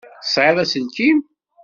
Tesεiḍ aselkim?